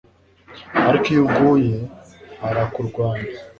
ariko iyo uguye, arakurwanya